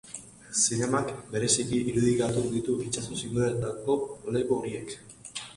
Zinemak bereziki irudikatu ditu itsasoz inguratutako leku horiek.